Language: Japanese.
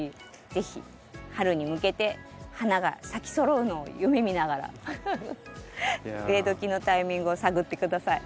是非春に向けて花が咲きそろうのを夢みながら植えどきのタイミングを探って下さい。